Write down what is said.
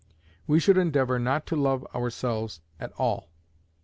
We should endeavour not to love ourselves at all.